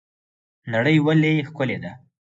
نړۍ ولې ښکلې ده؟